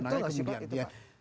betul lah sih pak